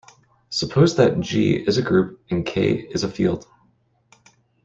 Suppose that "G" is a group and "K" is a field.